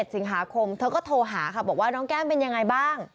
สิงหาคมเธอก็โทรหาค่ะบอกว่าน้องแก้มเป็นยังไงบ้าง